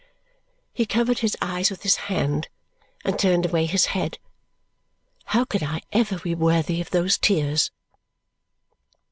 He covered his eyes with his hand and turned away his head. How could I ever be worthy of those tears?